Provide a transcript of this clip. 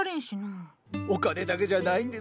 お金だけじゃないんです。